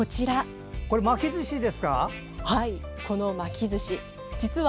巻きずしですか？